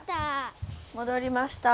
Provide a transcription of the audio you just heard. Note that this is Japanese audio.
戻りました。